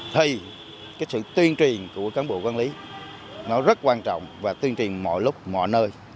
thì cái sự tuyên truyền của cán bộ quản lý nó rất quan trọng và tuyên truyền mọi lúc mọi nơi